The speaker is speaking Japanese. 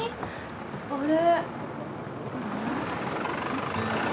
あれ。